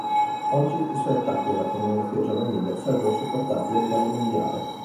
Oggi i suoi attacchi alla pornografia giovanile sarebbero supportati a livello mondiale.